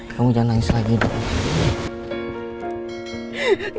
kamu jangan nangis lagi dulu